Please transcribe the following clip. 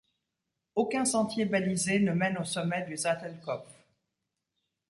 Aucun sentier balisé ne mène au sommet du Sattelkopf.